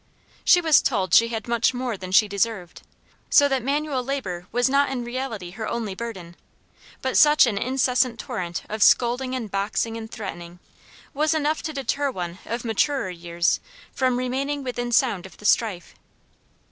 She was told she had much more than she deserved. So that manual labor was not in reality her only burden; but such an incessant torrent of scolding and boxing and threatening, was enough to deter one of maturer years from remaining within sound of the strife.